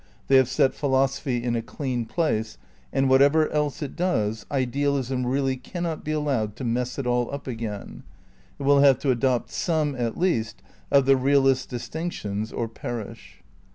They have set phi losophy in a clean place; and whatever else it does, idealism really cannot be allowed to mess it aU up again. It will have to adopt some, at least, of the real ists' distinctions or perish.